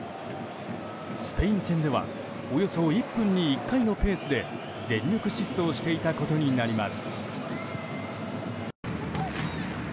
スペイン戦ではおよそ１分に１回のペースで全力疾走していたことになります。